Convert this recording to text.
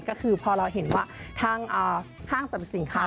ก็คือพอเราเห็นว่าทางห้างสรรพสินค้า